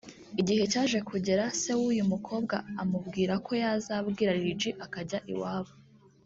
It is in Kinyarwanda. Igihe cyaje kugera se w’uyu mukobwa amubwira ko yazabwira Lil G akajya iwabo